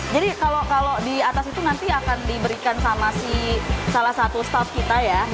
jadi kalau di atas itu nanti akan diberikan sama si salah satu staff kita ya